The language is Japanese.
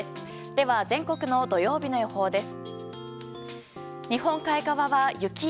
では、全国の土曜日の予報です。